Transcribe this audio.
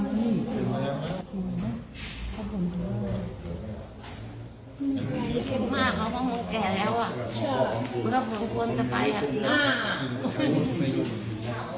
เก็บมากเพราะว่ามันเก่าแล้วมันต้องควรจะไปอย่างหน้า